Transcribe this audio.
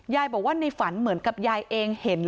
ยายบอกว่าในฝันเหมือนกับยายเองเห็น